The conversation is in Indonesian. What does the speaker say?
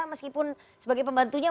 meskipun sebagai pembantunya